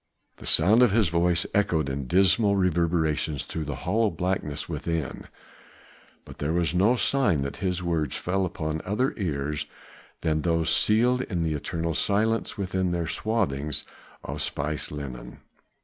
The sound of his voice echoed in dismal reverberations through the hollow blackness within, but there was no sign that his words fell upon other ears than those sealed to eternal silence within their swathings of spiced linen.